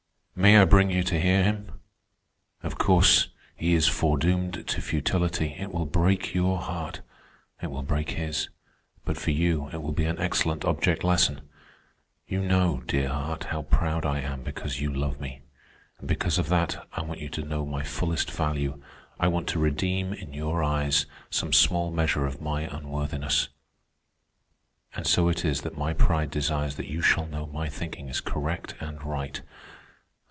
"May I bring you to hear him? Of course, he is foredoomed to futility. It will break your heart—it will break his; but for you it will be an excellent object lesson. You know, dear heart, how proud I am because you love me. And because of that I want you to know my fullest value, I want to redeem, in your eyes, some small measure of my unworthiness. And so it is that my pride desires that you shall know my thinking is correct and right.